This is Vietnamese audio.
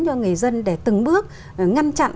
cho người dân để từng bước ngăn chặn